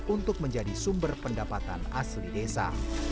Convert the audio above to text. untuk menjadi sumber pendapatan asli desa